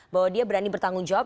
bahwa dia berani bertanggung jawab